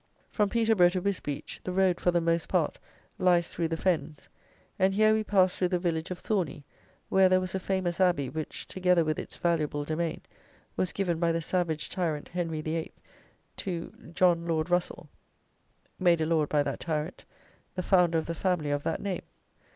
From Peterborough to Wisbeach, the road, for the most part, lies through the Fens, and here we passed through the village of Thorney, where there was a famous abbey, which, together with its valuable domain, was given by the savage tyrant, Henry VIII., to John Lord Russell (made a lord by that tyrant), the founder of the family of that name.